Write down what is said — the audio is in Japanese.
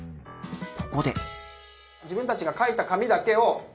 ここで。